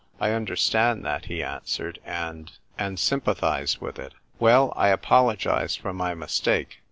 "I understand that," he answered; "and — and sympathise with it. Well, I apologise for my mistake.